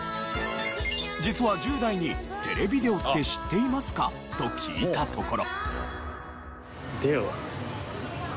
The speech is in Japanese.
実は１０代にテレビデオって知っていますか？と聞いたところ。